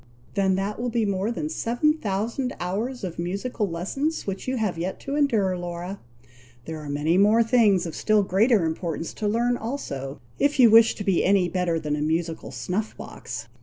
"Then that will be more than seven thousand hours of musical lessons which you have yet to endure, Laura! There are many more things of still greater importance to learn also, if you wish to be any better than a musical snuff box.